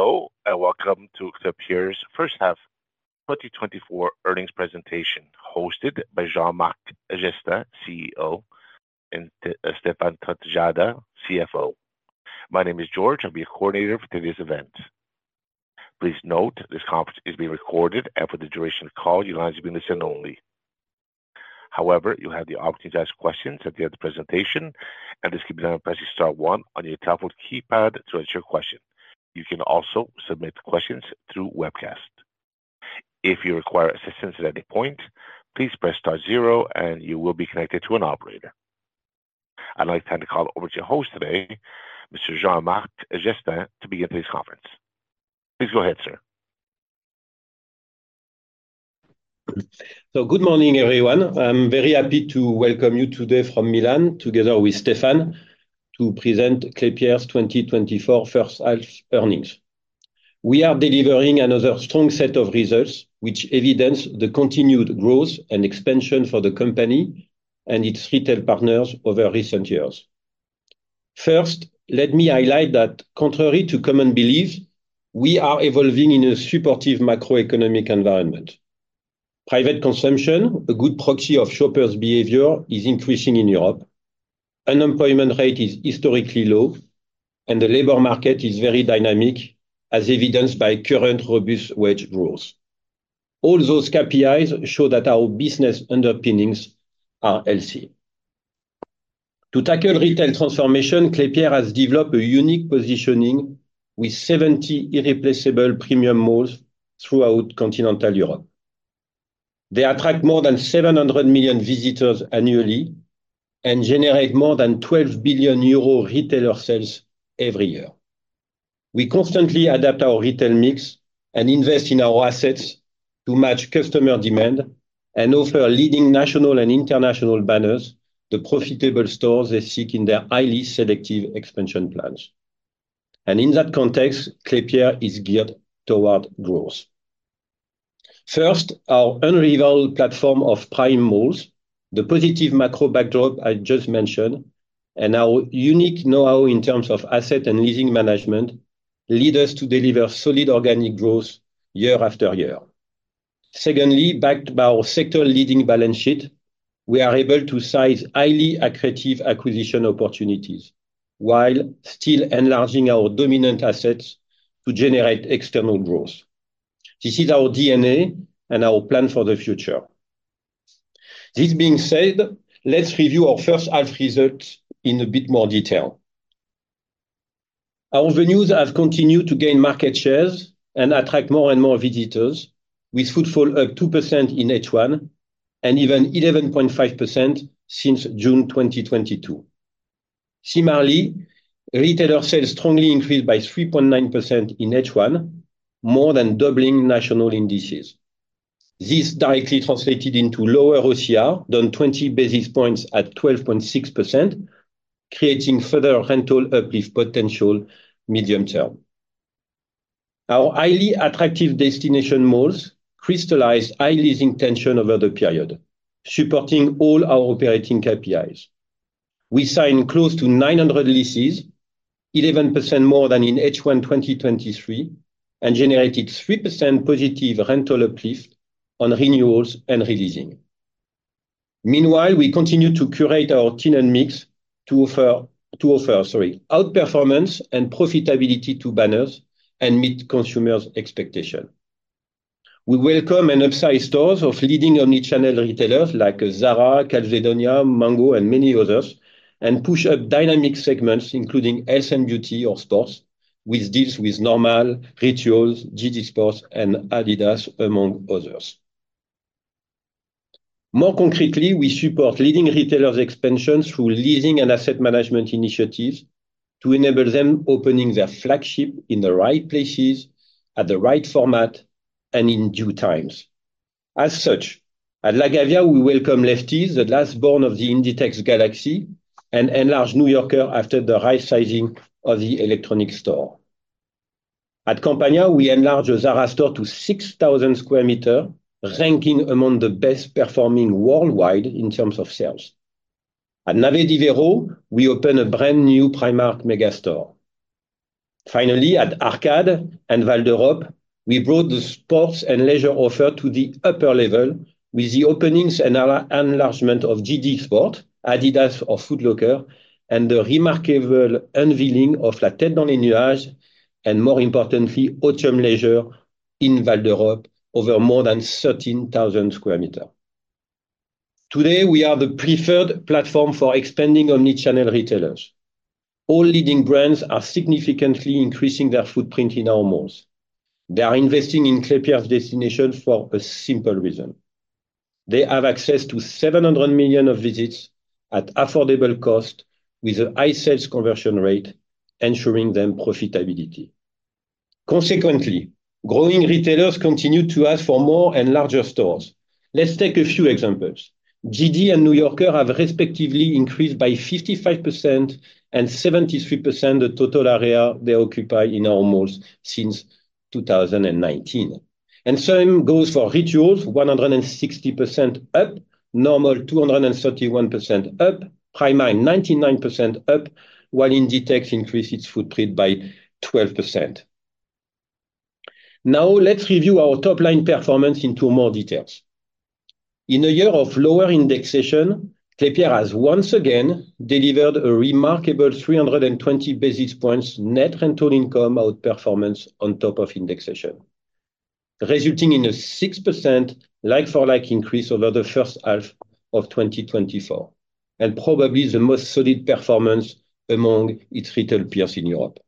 Hello, and welcome to Klépierre's first half 2024 earnings presentation, hosted by Jean-Marc Jestin, CEO, and Stéphane Tortajada, CFO. My name is George. I'll be your coordinator for today's event. Please note this conference is being recorded, and for the duration of the call, your line is being listened to only. However, you'll have the opportunity to ask questions at the end of the presentation, and this can be done by pressing star one on your telephone keypad to answer your question. You can also submit questions through webcast. If you require assistance at any point, please press star zero, and you will be connected to an operator. I'd like to turn the call over to your host today, Mr. Jean-Marc Jestin, to begin today's conference. Please go ahead, sir. So good morning, everyone. I'm very happy to welcome you today from Milan, together with Stéphane, to present Klépierre's 2024 first half earnings. We are delivering another strong set of results, which evidence the continued growth and expansion for the company and its retail partners over recent years. First, let me highlight that, contrary to common belief, we are evolving in a supportive macroeconomic environment. Private consumption, a good proxy of shoppers' behavior, is increasing in Europe. Unemployment rate is historically low, and the labor market is very dynamic, as evidenced by current robust wage growth. All those KPIs show that our business underpinnings are healthy. To tackle retail transformation, Klépierre has developed a unique positioning with 70 irreplaceable premium malls throughout continental Europe. They attract more than 700 million visitors annually and generate more than 12 billion euro retailer sales every year. We constantly adapt our retail mix and invest in our assets to match customer demand and offer leading national and international banners to profitable stores that seek in their highly selective expansion plans. In that context, Klépierre is geared toward growth. First, our unrivaled platform of prime malls, the positive macro backdrop I just mentioned, and our unique know-how in terms of asset and leasing management lead us to deliver solid organic growth year after year. Secondly, backed by our sector-leading balance sheet, we are able to size highly attractive acquisition opportunities while still enlarging our dominant assets to generate external growth. This is our DNA and our plan for the future. This being said, let's review our first half results in a bit more detail. Our venues have continued to gain market shares and attract more and more visitors, with footfall up 2% in H1 and even 11.5% since June 2022. Similarly, retailer sales strongly increased by 3.9% in H1, more than doubling national indices. This directly translated into lower OCR than 20 basis points at 12.6%, creating further rental uplift potential medium term. Our highly attractive destination malls crystallized high leasing tension over the period, supporting all our operating KPIs. We signed close to 900 leases, 11% more than in H1 2023, and generated 3% positive rental uplift on renewals and releasing. Meanwhile, we continue to curate our tenant mix to offer outperformance and profitability to banners and meet consumers' expectations. We welcome and upsize stores of leading omnichannel retailers like Zara, Calzedonia, Mango, and many others, and push up dynamic segments, including health and beauty or sports, with deals with Normal, Rituals, JD Sports, and Adidas, among others. More concretely, we support leading retailers' expansion through leasing and asset management initiatives to enable them opening their flagship in the right places, at the right format, and in due times. As such, at La Gavia, we welcome Lefties, the last born of the Inditex galaxy, an enlarged New Yorker after the right sizing of the electronic store. At Campania, we enlarge a Zara store to 6,000 square meters, ranking among the best-performing worldwide in terms of sales. At Nave de Vero, we open a brand-new Primark megastore. Finally, at Arcades and Val d'Europe, we brought the sports and leisure offer to the upper level with the openings and enlargement of JD Sports, Adidas or Foot Locker, and the remarkable unveiling of La Tête dans les Nuages, and more importantly, Otium Leisure in Val d'Europe over more than 13,000 sq m. Today, we are the preferred platform for expanding omnichannel retailers. All leading brands are significantly increasing their footprint in our malls. They are investing in Klépierre's destinations for a simple reason. They have access to 700 million visits at affordable cost with a high sales conversion rate, ensuring them profitability. Consequently, growing retailers continue to ask for more and larger stores. Let's take a few examples. JD and New Yorker have respectively increased by 55% and 73% the total area they occupy in our malls since 2019. Same goes for Rituals, 160% up, Normal 231% up, Primark 99% up, while Inditex increased its footprint by 12%. Now, let's review our top-line performance into more details. In a year of lower indexation, Klépierre has once again delivered a remarkable 320 basis points net rental income outperformance on top of indexation, resulting in a 6% like-for-like increase over the first half of 2024, and probably the most solid performance among its retail peers in Europe.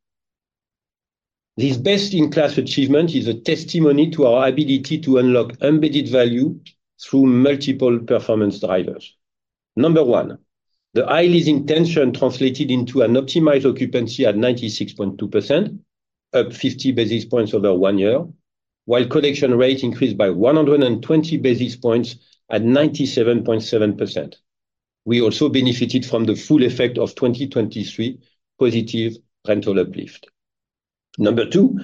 This best-in-class achievement is a testimony to our ability to unlock embedded value through multiple performance drivers. Number one, the high leasing tension translated into an optimized occupancy at 96.2%, up 50 basis points over one year, while collection rate increased by 120 basis points at 97.7%. We also benefited from the full effect of 2023 positive rental uplift. Number two,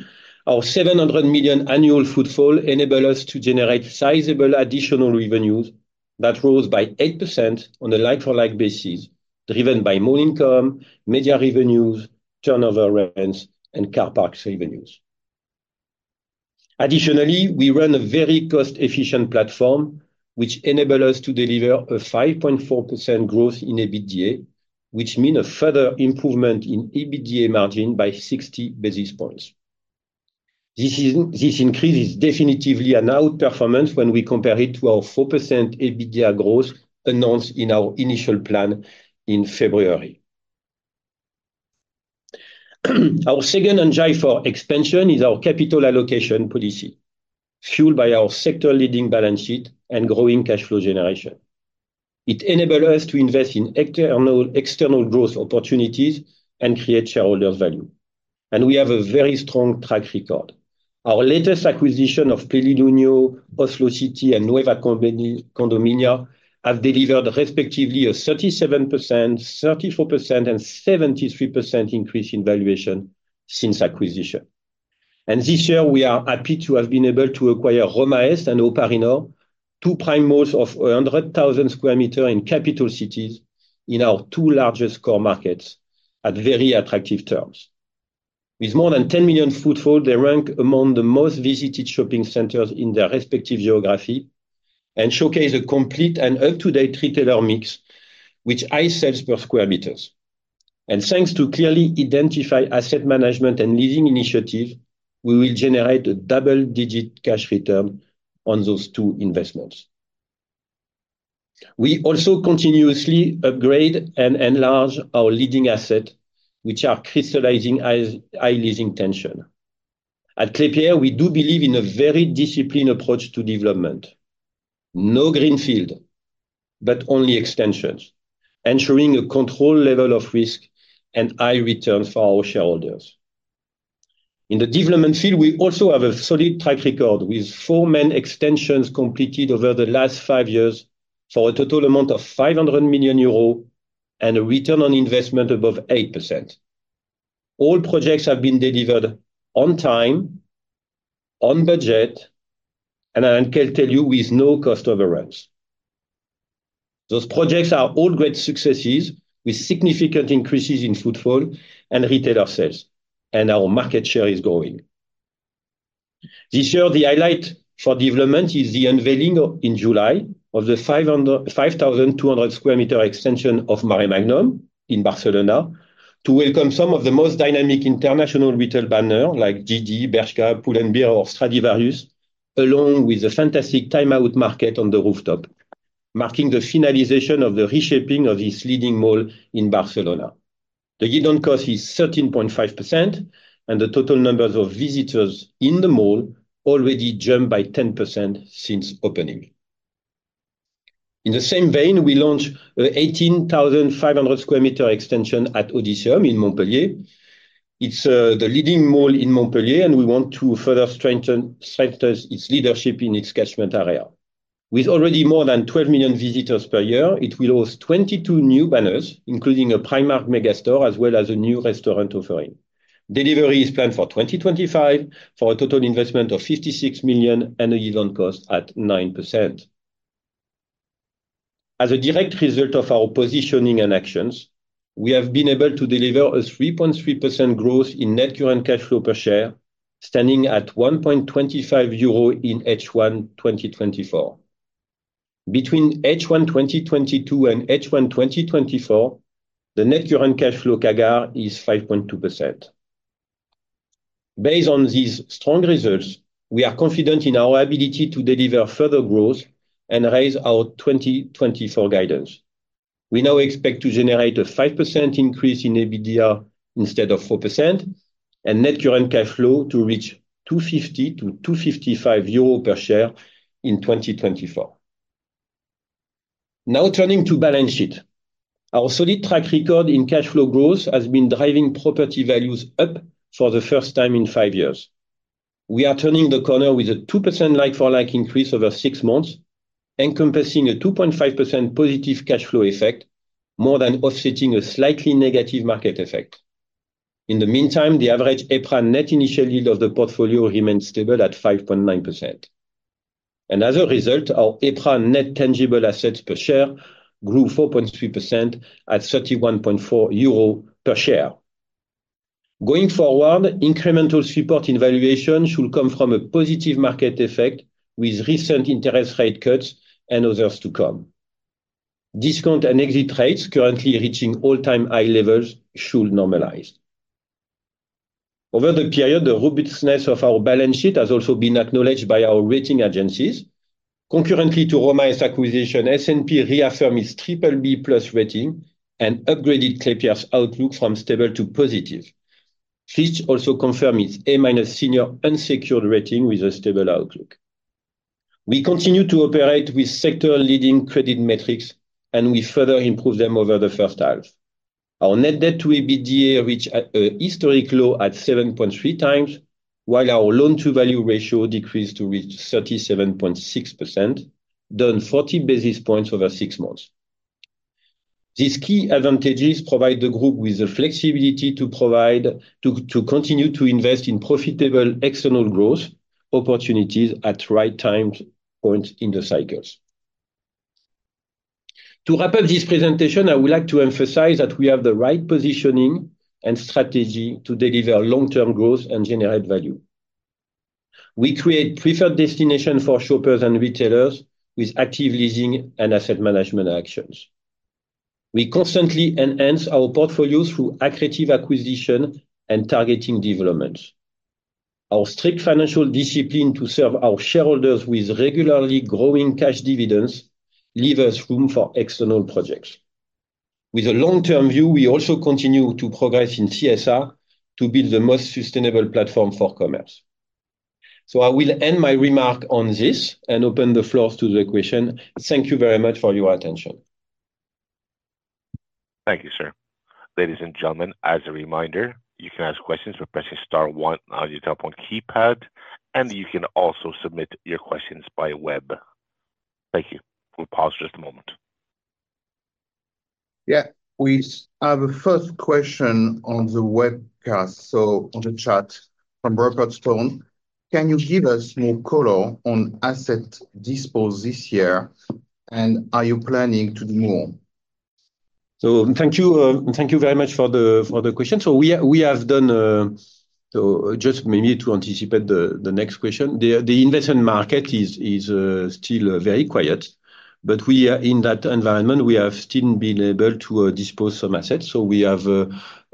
our 700 million annual footfall enabled us to generate sizable additional revenues that rose by 8% on a like-for-like basis, driven by mall income, media revenues, turnover rents, and car park revenues. Additionally, we run a very cost-efficient platform, which enabled us to deliver a 5.4% growth in EBITDA, which means a further improvement in EBITDA margin by 60 basis points. This increase is definitely an outperformance when we compare it to our 4% EBITDA growth announced in our initial plan in February. Our second and joyful expansion is our capital allocation policy, fueled by our sector-leading balance sheet and growing cash flow generation. It enabled us to invest in external growth opportunities and create shareholders' value. We have a very strong track record. Our latest acquisition of Plenilunio, Oslo City, and Nueva Condomina have delivered respectively a 37%, 34%, and 73% increase in valuation since acquisition. This year, we are happy to have been able to acquire RomaEst and O'Parinor, two prime malls of 100,000 sq m in capital cities, in our two largest core markets at very attractive terms. With more than 10 million footfall, they rank among the most visited shopping centers in their respective geography and showcase a complete and up-to-date retailer mix, which has high sales per square meters. Thanks to clearly identified asset management and leasing initiatives, we will generate a double-digit cash return on those two investments. We also continuously upgrade and enlarge our leading assets, which are crystallizing high leasing tension. At Klépierre, we do believe in a very disciplined approach to development. No greenfield, but only extensions, ensuring a controlled level of risk and high returns for our shareholders. In the development field, we also have a solid track record with four main extensions completed over the last five years for a total amount of 500 million euro and a return on investment above 8%. All projects have been delivered on time, on budget, and I can tell you with no cost overruns. Those projects are all great successes with significant increases in footfall and retailer sales, and our market share is growing. This year, the highlight for development is the unveiling in July of the 5,200 square meter extension of Maremagnum in Barcelona to welcome some of the most dynamic international retail banners like JD, Bershka, Pull&Bear, or Stradivarius, along with a fantastic Time Out Market on the rooftop, marking the finalization of the reshaping of this leading mall in Barcelona. The yield on cost is 13.5%, and the total numbers of visitors in the mall already jumped by 10% since opening. In the same vein, we launched an 18,500 square meter extension at Odysseum in Montpellier. It's the leading mall in Montpellier, and we want to further strengthen its leadership in its catchment area. With already more than 12 million visitors per year, it will host 22 new banners, including a Primark megastore as well as a new restaurant offering. Delivery is planned for 2025 for a total investment of 56 million and a yield on cost at 9%. As a direct result of our positioning and actions, we have been able to deliver a 3.3% growth in net current cash flow per share, standing at 1.25 euro in H1 2024. Between H1 2022 and H1 2024, the net current cash flow CAGR is 5.2%. Based on these strong results, we are confident in our ability to deliver further growth and raise our 2024 guidance. We now expect to generate a 5% increase in EBITDA instead of 4% and net current cash flow to reach 250-255 euro per share in 2024. Now, turning to balance sheet, our solid track record in cash flow growth has been driving property values up for the first time in five years. We are turning the corner with a 2% like-for-like increase over six months, encompassing a 2.5% positive cash flow effect, more than offsetting a slightly negative market effect. In the meantime, the average EPRA Net Initial Yield of the portfolio remained stable at 5.9%. As a result, our EPRA Net Tangible Assets per share grew 4.3% at 31.4 euro per share. Going forward, incremental support in valuation should come from a positive market effect with recent interest rate cuts and others to come. Discount and exit rates currently reaching all-time high levels should normalize. Over the period, the robustness of our balance sheet has also been acknowledged by our rating agencies. Concurrently to RomaEst acquisition, S&P reaffirmed its BBB+ rating and upgraded Klépierre's outlook from stable to positive. Fitch also confirmed its A- senior unsecured rating with a stable outlook. We continue to operate with sector-leading credit metrics, and we further improve them over the first half. Our net debt to EBITDA reached a historic low at 7.3x, while our loan-to-value ratio decreased to reach 37.6%, down 40 basis points over six months. These key advantages provide the group with the flexibility to continue to invest in profitable external growth opportunities at right time points in the cycles. To wrap up this presentation, I would like to emphasize that we have the right positioning and strategy to deliver long-term growth and generate value. We create preferred destinations for shoppers and retailers with active leasing and asset management actions. We constantly enhance our portfolios through accretive acquisition and targeting developments. Our strict financial discipline to serve our shareholders with regularly growing cash dividends leaves us room for external projects. With a long-term view, we also continue to progress in CSR to build the most sustainable platform for commerce. So I will end my remark on this and open the floor to the question. Thank you very much for your attention. Thank you, sir. Ladies and gentlemen, as a reminder, you can ask questions by pressing star one on the phone keypad, and you can also submit your questions by web. Thank you. We'll pause just a moment. Yeah, we have a first question on the webcast, so on the chat from Robert Stone. Can you give us more color on asset disposal this year, and are you planning to do more? Thank you very much for the question. We have done, just maybe to anticipate the next question, the investment market is still very quiet, but in that environment, we have still been able to dispose of some assets. We have,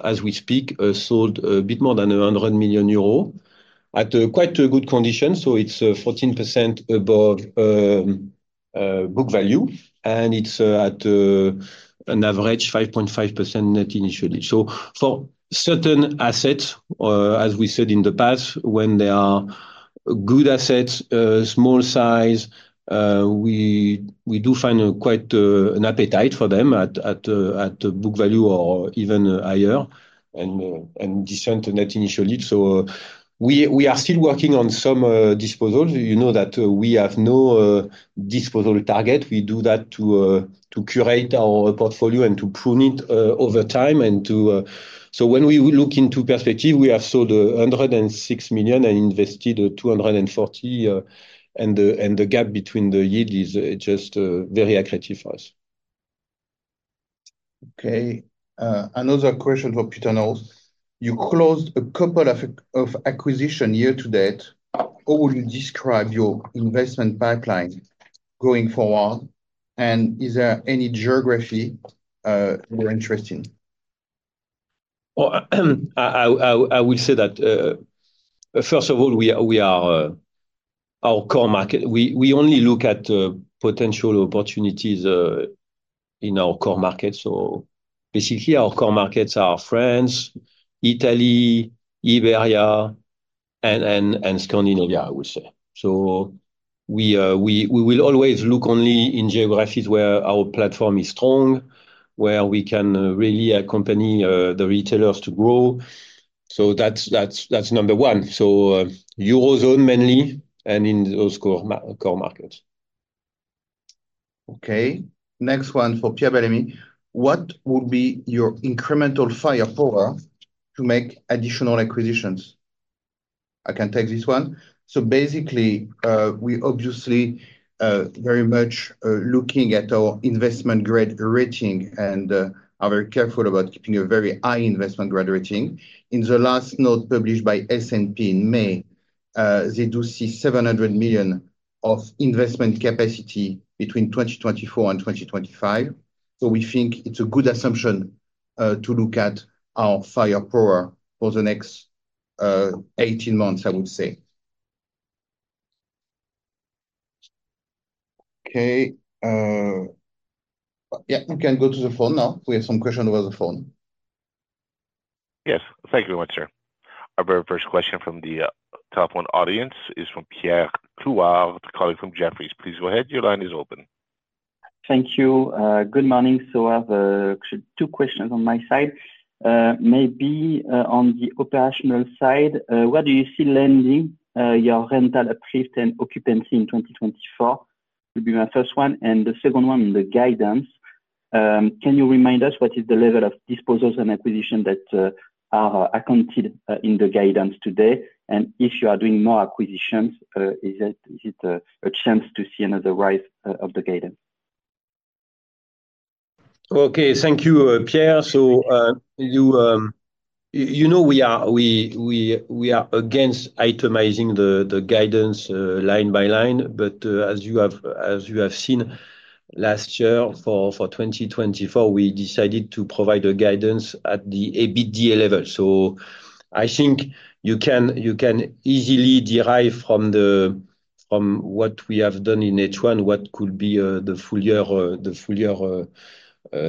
as we speak, sold a bit more than 100 million euros at quite a good condition. It's 14% above book value, and it's at an average 5.5% net initial. For certain assets, as we said in the past, when they are good assets, small size, we do find quite an appetite for them at book value or even higher and decent net initial. We are still working on some disposals. You know that we have no disposal target. We do that to curate our portfolio and to prune it over time. So when we look into perspective, we have sold 106 million and invested 240, and the gap between the yield is just very accretive for us. Okay. Another question for Peter Knowles. You closed a couple of acquisitions year to date. How would you describe your investment pipeline going forward? And is there any geography you're interested in? Well, I will say that, first of all, our core market, we only look at potential opportunities in our core market. So basically, our core markets are France, Italy, Iberia, and Scandinavia, I would say. So we will always look only in geographies where our platform is strong, where we can really accompany the retailers to grow. So that's number one. So Eurozone mainly and in those core markets. Okay. Next one for Pierre-Emmanuel. What would be your incremental firepower to make additional acquisitions? I can take this one. So basically, we obviously are very much looking at our investment-grade rating, and I'm very careful about keeping a very high investment-grade rating. In the last note published by S&P in May, they do see 700 million of investment capacity between 2024 and 2025. So we think it's a good assumption to look at our firepower for the next 18 months, I would say. Okay. Yeah, you can go to the phone now. We have some questions over the phone. Yes. Thank you very much, sir. Our very first question from the PowerPoint audience is from Pierre Clouard, colleague from Jefferies. Please go ahead. Your line is open. Thank you. Good morning. So I have two questions on my side. Maybe on the operational side, where do you see lettings, your rental approvals and occupancy in 2024? It will be my first one. And the second one in the guidance. Can you remind us what is the level of disposals and acquisitions that are accounted in the guidance today? And if you are doing more acquisitions, is it a chance to see another rise of the guidance? Okay. Thank you, Pierre. So you know we are against itemizing the guidance line by line, but as you have seen last year for 2024, we decided to provide a guidance at the EBITDA level. So I think you can easily derive from what we have done in H1 what could be the full year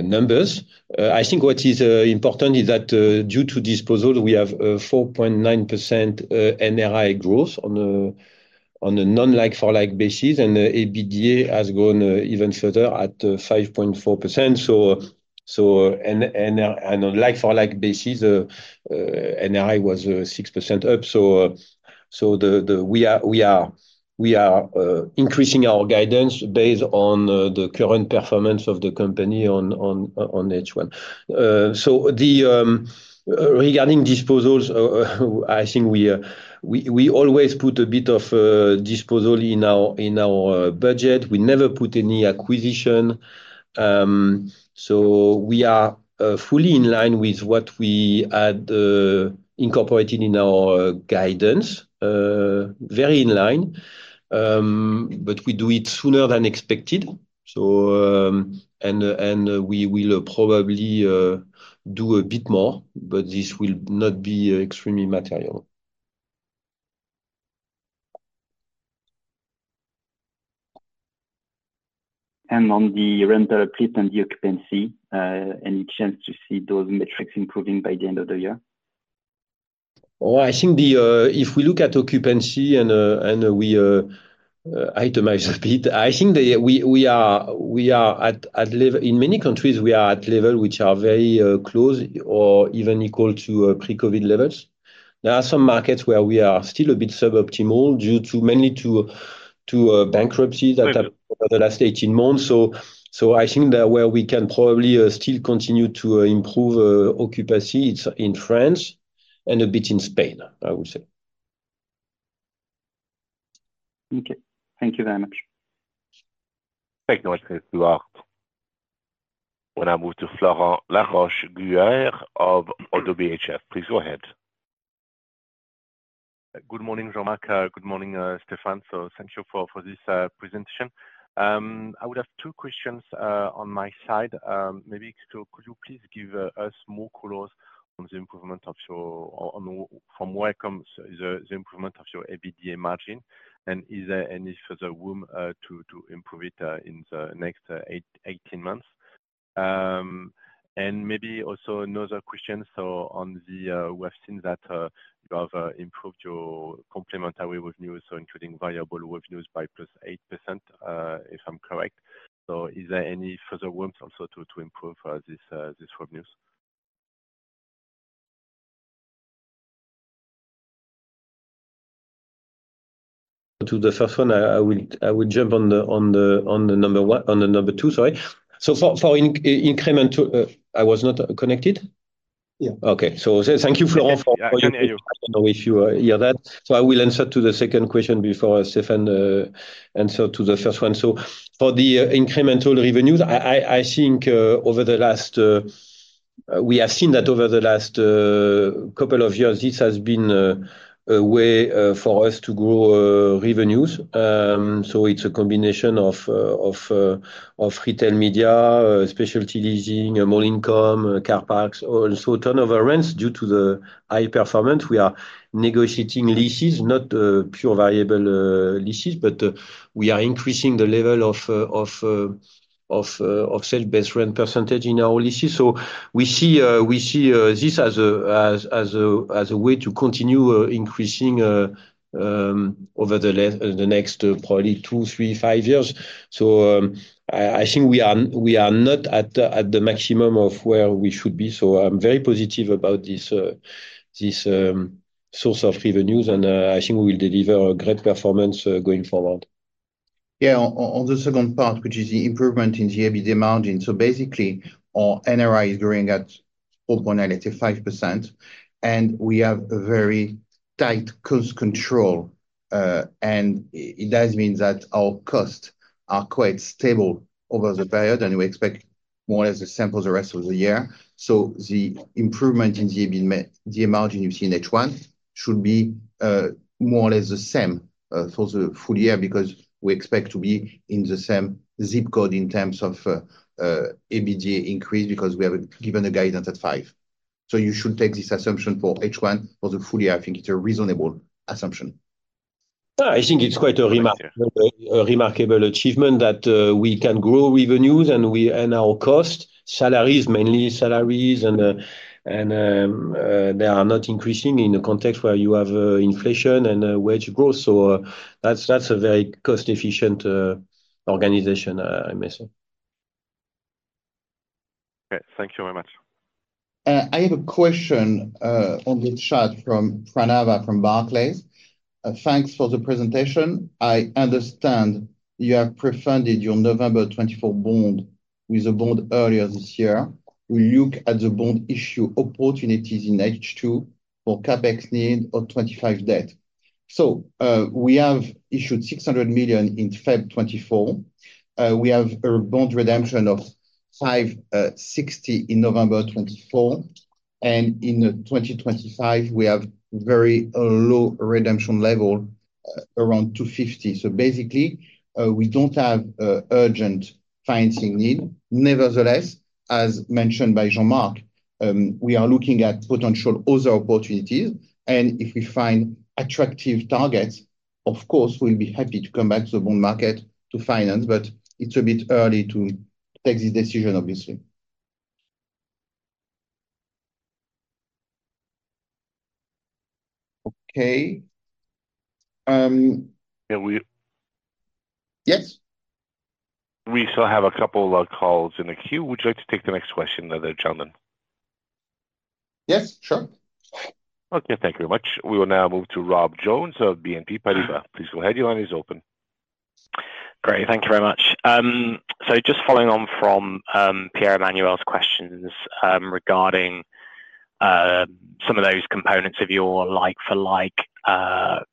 numbers. I think what is important is that due to disposal, we have 4.9% NRI growth on a non-like-for-like basis, and EBITDA has gone even further at 5.4%. So on a like-for-like basis, NRI was 6% up. So we are increasing our guidance based on the current performance of the company on H1. So regarding disposals, I think we always put a bit of disposal in our budget. We never put any acquisition. So we are fully in line with what we had incorporated in our guidance, very in line, but we do it sooner than expected. And we will probably do a bit more, but this will not be extremely material. And on the rental approved and the occupancy, any chance to see those metrics improving by the end of the year? Well, I think if we look at occupancy and we itemize a bit, I think we are at level in many countries, we are at levels which are very close or even equal to pre-COVID levels. There are some markets where we are still a bit suboptimal due mainly to bankruptcies that have occurred over the last 18 months. So I think that where we can probably still continue to improve occupancy, it's in France and a bit in Spain, I would say. Okay. Thank you very much. Thank you, Pierre Clouard. When I move to Florent Laroche-Joubert of ODDO BHF, please go ahead. Good morning, Jean-Marc, good morning, Stéphane. So thank you for this presentation. I would have two questions on my side. Maybe could you please give us more colors on the improvement of your from where comes the improvement of your EBITDA margin and is there any further room to improve it in the next 18 months? And maybe also another question. So on the one thing that you have improved your complementary revenues, including variable revenues by +8%, if I'm correct. So is there any further room also to improve these revenues? To the first one, I will jump on the number two, sorry. So for incremental, I was not connected? Yeah. Okay. So thank you, Florent, for your questions. I don't know if you hear that. So I will answer to the second question before Stéphane answers to the first one. So for the incremental revenues, I think over the last we have seen that over the last couple of years, this has been a way for us to grow revenues. So it's a combination of retail media, specialty leasing, mall income, car parks, also a ton of rents due to the high performance. We are negotiating leases, not pure variable leases, but we are increasing the level of sale-based rent percentage in our leases. So we see this as a way to continue increasing over the next probably two, three, five years. So I think we are not at the maximum of where we should be. So I'm very positive about this source of revenues, and I think we will deliver a great performance going forward. Yeah. On the second part, which is the improvement in the EBITDA margin. So basically, our NRI is growing at 4.985%, and we have a very tight cost control. And it does mean that our costs are quite stable over the period, and we expect more or less the same for the rest of the year. So the improvement in the margin you see in H1 should be more or less the same for the full year because we expect to be in the same zip code in terms of EBITDA increase because we have given a guidance at five. So you should take this assumption for H1 for the full year. I think it's a reasonable assumption. I think it's quite a remarkable achievement that we can grow revenues and our costs, salaries, mainly salaries, and they are not increasing in the context where you have inflation and wage growth. So that's a very cost-efficient organization, I may say. Okay. Thank you very much. I have a question on the chat from Pranava from Barclays. Thanks for the presentation. I understand you have refunded your November 2024 bond with a bond earlier this year. We look at the bond issue opportunities in H2 for CapEx need or 25 debt. So we have issued 600 million in February 2024. We have a bond redemption of 560 million in November 2024. And in 2025, we have very low redemption level around 250 million. So basically, we don't have urgent financing need. Nevertheless, as mentioned by Jean-Marc, we are looking at potential other opportunities. And if we find attractive targets, of course, we'll be happy to come back to the bond market to finance, but it's a bit early to take this decision, obviously. Okay. Yeah. Yes? We still have a couple of calls in the queue. Would you like to take the next question, the gentleman? Yes, sure. Okay. Thank you very much. We will now move to Rob Jones of BNP Paribas. Please go ahead. Your line is open. Great. Thank you very much. So just following on from Pierre Emmanuel's questions regarding some of those components of your like-for-like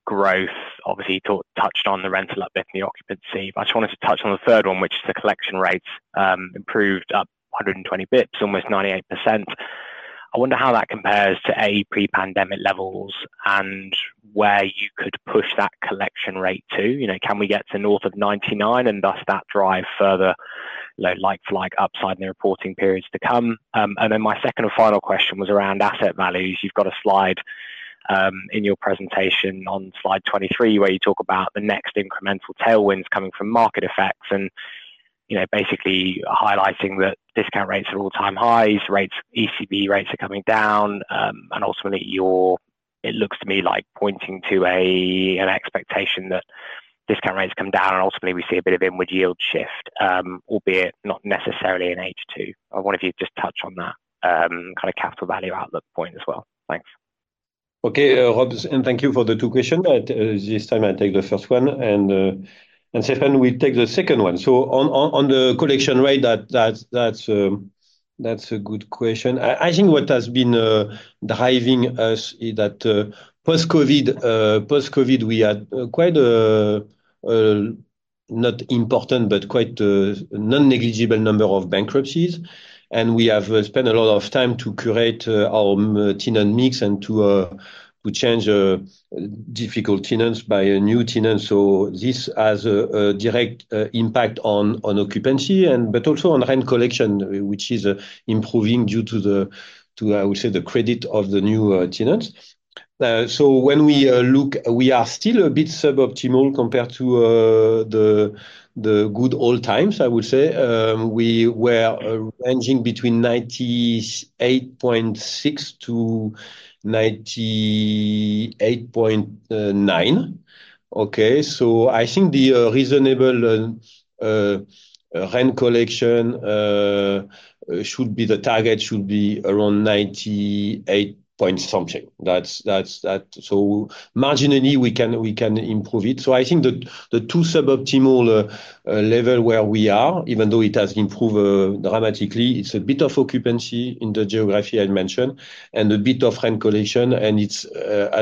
growth, obviously touched on the rental update and the occupancy. But I just wanted to touch on the third one, which is the collection rates improved up 120 bps, almost 98%. I wonder how that compares to pre-pandemic levels and where you could push that collection rate to. Can we get to north of 99 and thus that drive further like-for-like upside in the reporting periods to come? And then my second and final question was around asset values. You've got a slide in your presentation on slide 23 where you talk about the next incremental tailwinds coming from market effects and basically highlighting that discount rates are all-time highs, ECB rates are coming down, and ultimately, it looks to me like pointing to an expectation that discount rates come down and ultimately we see a bit of inward yield shift, albeit not necessarily in H2. I wonder if you could just touch on that kind of capital value outlook point as well. Thanks. Okay, Rob, and thank you for the two questions. This time, I'll take the first one. Stéphane will take the second one. On the collection rate, that's a good question. I think what has been driving us is that post-COVID, we had quite a not important, but quite a non-negligible number of bankruptcies. We have spent a lot of time to curate our tenant mix and to change difficult tenants by a new tenant. So this has a direct impact on occupancy, but also on rent collection, which is improving due to, I would say, the credit of the new tenants. So when we look, we are still a bit suboptimal compared to the good old times, I would say. We were ranging between 98.6%-98.9%. Okay. So I think the reasonable rent collection should be the target should be around 98 point something. So marginally, we can improve it. So I think the two suboptimal levels where we are, even though it has improved dramatically, it's a bit of occupancy in the geography I mentioned and a bit of rent collection. And it's,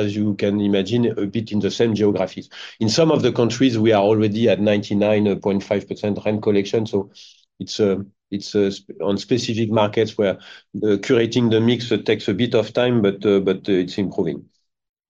as you can imagine, a bit in the same geographies. In some of the countries, we are already at 99.5% rent collection. So it's on specific markets where curating the mix takes a bit of time, but it's improving.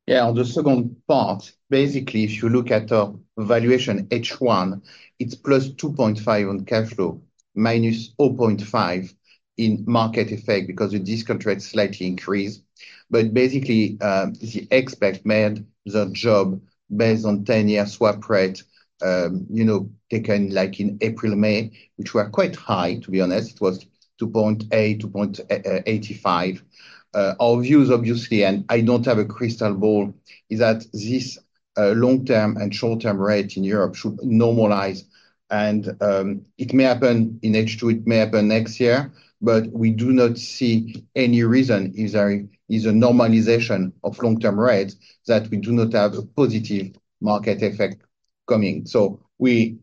Yeah. On the second part, basically, if you look at our valuation H1, it's +2.5 on cash flow, -0.5 in market effect because the discount rate slightly increased. But basically, the expert made the job based on 10-year swap rate taken in April, May, which were quite high, to be honest. It was 2.8, 2.85. Our views, obviously, and I don't have a crystal ball, is that this long-term and short-term rate in Europe should normalize. And it may happen in H2, it may happen next year, but we do not see any reason is a normalization of long-term rates that we do not have a positive market effect coming. So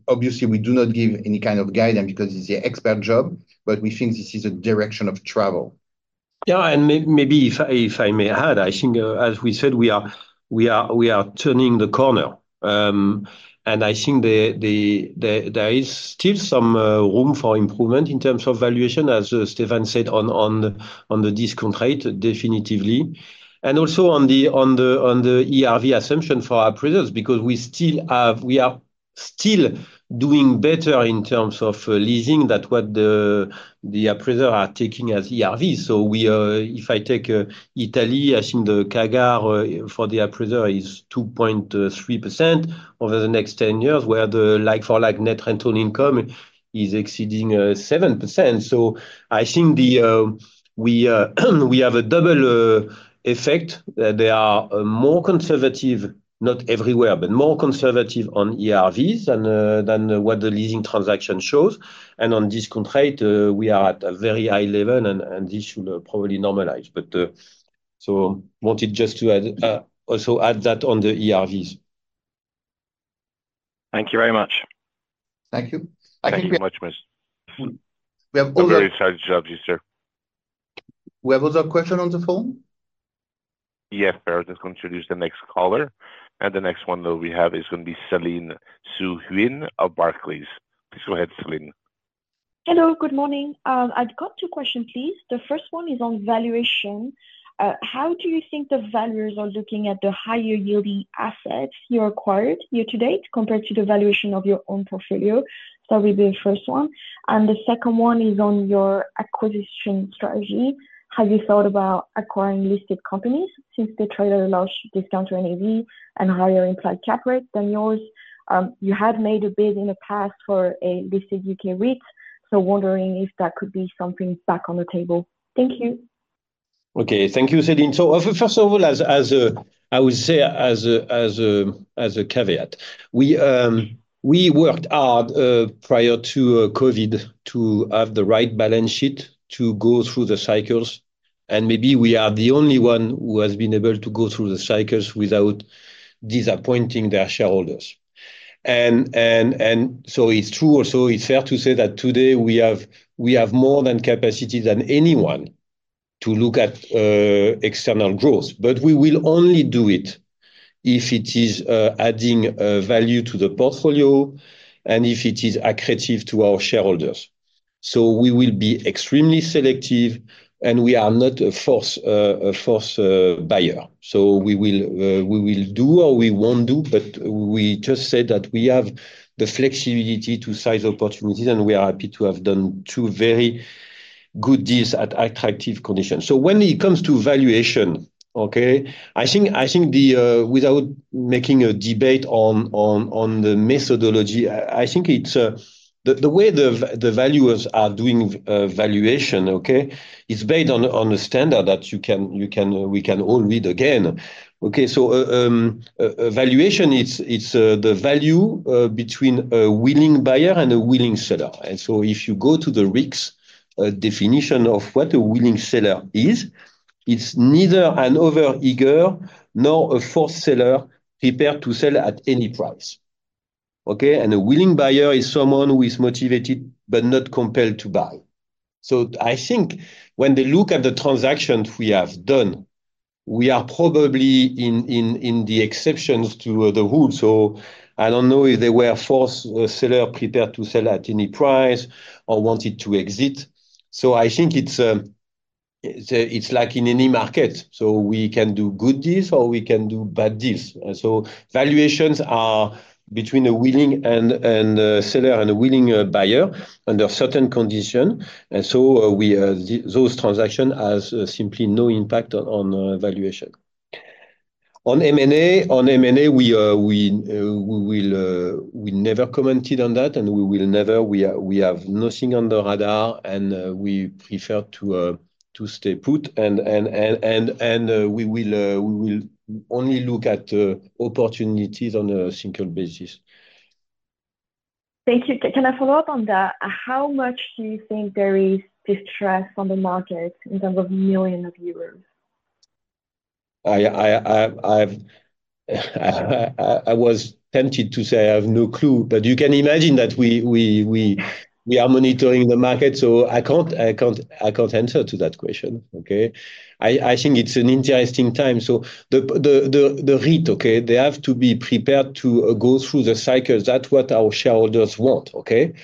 obviously, we do not give any kind of guidance because it's the expert job, but we think this is a direction of travel. Yeah. And maybe if I may add, I think, as we said, we are turning the corner. And I think there is still some room for improvement in terms of valuation, as Stéphane said, on the discount rate, definitely. And also on the ERV assumption for our properties because we are still doing better in terms of leasing than what the appraisers are taking as ERVs. So if I take Italy, I think the CAGR for the appraiser is 2.3% over the next 10 years where the like-for-like net rental income is exceeding 7%. So I think we have a double effect that they are more conservative, not everywhere, but more conservative on ERVs than what the leasing transaction shows. On discount rate, we are at a very high level, and this should probably normalize. I wanted just to also add that on the ERVs. Thank you very much. Thank you. Thank you very much, Ms. We have other very exciting jobs, yes, sir. We have other questions on the phone? Yes, sir. I'm just going to introduce the next caller. The next one that we have is going to be Céline Soo-Huynh of Barclays. Please go ahead, Celine. Hello. Good morning. I've got two questions, please. The first one is on valuation. How do you think the valuers are looking at the higher yielding assets you acquired year to date compared to the valuation of your own portfolio? That would be the first one. And the second one is on your acquisition strategy. Have you thought about acquiring listed companies since the trade-in loss discount rate and higher implied cap rate than yours? You have made a bid in the past for a listed U.K. REIT, so wondering if that could be something back on the table. Thank you. Okay. Thank you, Celine. So first of all, I would say as a caveat, we worked hard prior to COVID to have the right balance sheet to go through the cycles. And maybe we are the only one who has been able to go through the cycles without disappointing their shareholders. And so it's true. Also, it's fair to say that today we have more than capacity than anyone to look at external growth, but we will only do it if it is adding value to the portfolio and if it is accretive to our shareholders. So we will be extremely selective, and we are not a force buyer. So we will do or we won't do, but we just said that we have the flexibility to size opportunities, and we are happy to have done two very good deals at attractive conditions. So when it comes to valuation, okay, I think without making a debate on the methodology, I think the way the valuers are doing valuation, okay, is based on the standard that we can all read again. Okay. So valuation, it's the value between a willing buyer and a willing seller. And so if you go to the RICS definition of what a willing seller is, it's neither an over-eager nor a force seller prepared to sell at any price. Okay. And a willing buyer is someone who is motivated but not compelled to buy. I think when they look at the transactions we have done, we are probably in the exceptions to the rules. I don't know if they were a forced seller prepared to sell at any price or wanted to exit. I think it's like in any market. We can do good deals or we can do bad deals. Valuations are between a willing seller and a willing buyer under certain conditions. And so those transactions have simply no impact on valuation. On M&A, we never commented on that, and we have nothing on the radar, and we prefer to stay put. We will only look at opportunities on a single basis. Thank you. Can I follow up on that? How much do you think there is distress on the market in terms of millions of euros? I was tempted to say I have no clue, but you can imagine that we are monitoring the market. So I can't answer to that question. Okay. I think it's an interesting time. So the REIT, okay, they have to be prepared to go through the cycles. That's what our shareholders want. Okay.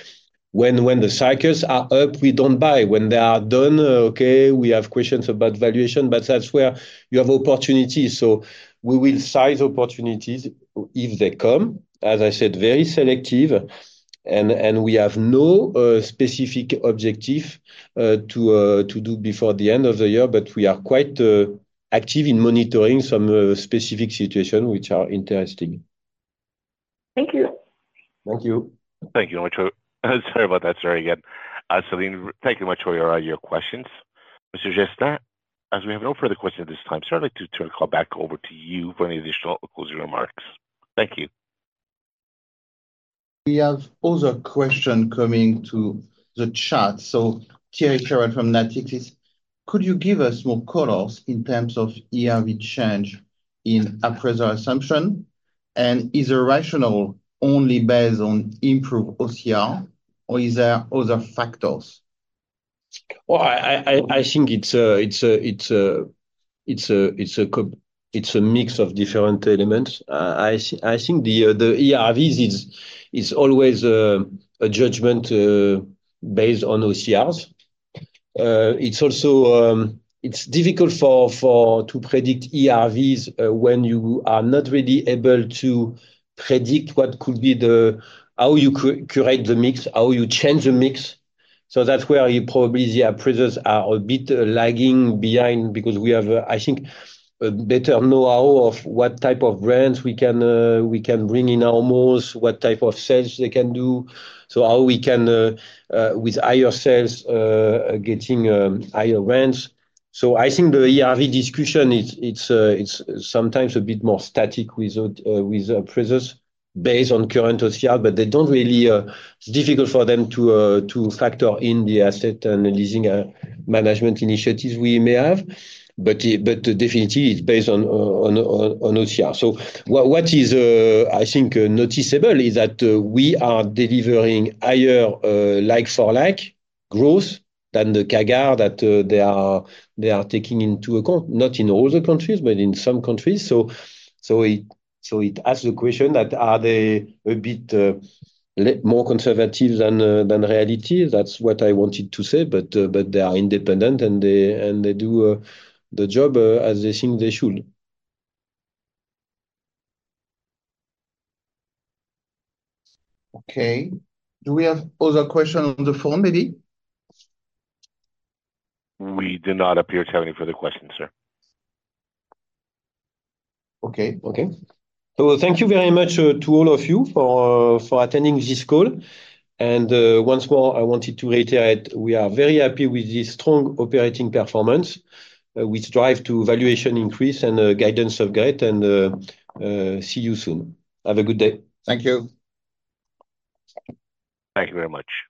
When the cycles are up, we don't buy. When they are done, okay, we have questions about valuation, but that's where you have opportunities. So we will size opportunities if they come. As I said, very selective. And we have no specific objective to do before the end of the year, but we are quite active in monitoring some specific situations which are interesting. Thank you. Thank you. Thank you so much. Sorry about that, sorry again. Celine, thank you very much for your questions. Mr. Jestin, as we have no further questions at this time, sir, I'd like to turn the call back over to you for any additional closing remarks. Thank you. We have also a question coming to the chat. So Thierry Ferrer from Natixis, could you give us more color in terms of ERV change in appraiser assumption? And is the rationale only based on improved OCR, or are there other factors? Well, I think it's a mix of different elements. I think the ERVs is always a judgment based on OCRs. It's difficult to predict ERVs when you are not really able to predict what could be the how you curate the mix, how you change the mix. So that's where probably the appraisers are a bit lagging behind because we have, I think, a better know-how of what type of brands we can bring in almost, what type of sales they can do. So how we can, with higher sales, getting higher rents. So I think the ERV discussion, it's sometimes a bit more static with appraisers based on current OCR, but they don't really, it's difficult for them to factor in the asset and leasing management initiatives we may have. But definitely, it's based on OCR. So what is, I think, noticeable is that we are delivering higher like-for-like growth than the CAGR that they are taking into account, not in all the countries, but in some countries. So it asks the question that are they a bit more conservative than reality? That's what I wanted to say, but they are independent, and they do the job as they think they should. Okay. Do we have other questions on the phone, maybe? We do not appear to have any further questions, sir. Okay. Okay. So thank you very much to all of you for attending this call. And once more, I wanted to reiterate, we are very happy with this strong operating performance, which drives to valuation increase and guidance of great. And see you soon. Have a good day. Thank you. Thank you very much.